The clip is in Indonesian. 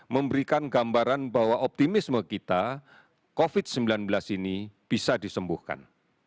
memberikan gambaran bahwa optimisme kita covid sembilan belas ini bisa disembuhkan